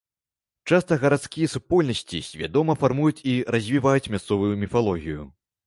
Часта гарадскія супольнасці свядома фармуюць і развіваюць мясцовую міфалогію.